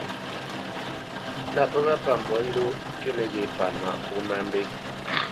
Lâ pə́ ghaʼ mbolendoʼ pí nəghé pâ nǎʼ pó má mbé.